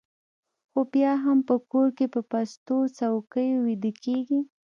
خو بیا هم په کور کې په پستو څوکیو ویده کېږي